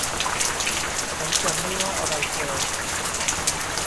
ฉันจะไม่ว่าอะไรเธอ